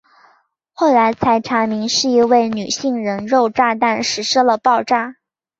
后来才查明是一位女性人肉炸弹实施了爆炸。